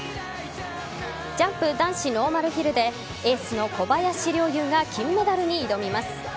ジャンプ・男子ノーマルヒルでエースの小林陵侑が金メダルに挑みます。